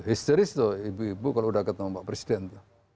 histeris tuh ibu ibu kalau udah ketemu pak presiden tuh